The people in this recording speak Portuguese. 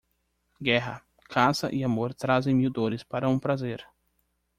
Guerra, caça e amor trazem mil dores para um prazer.